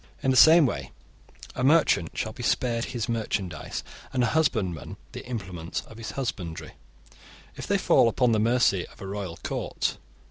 In the same way, a merchant shall be spared his merchandise, and a husbandman the implements of his husbandry, if they fall upon the mercy of a royal court.